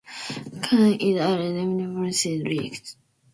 Cedar Lake is an artificial lake formed by damming Cedar Creek.